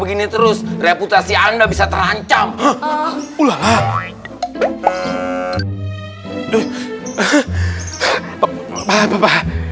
begini terus reputasi anda bisa terancam ulang